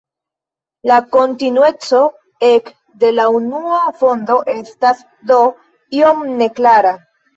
La kontinueco ek de la unua fondo estas do iom neklara.